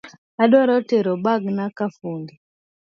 Adwa tero bagna kafundi